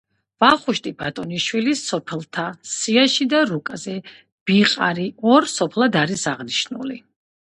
ვახუშტი ბატონიშვილის სოფელთა სიაში და რუკაზე ბიყარი ორ სოფლად არის აღნიშნული.